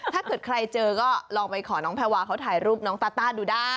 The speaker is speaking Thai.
ถ้าเกิดใครเจอก็ลองไปขอน้องแพรวาเขาถ่ายรูปน้องตาต้าดูได้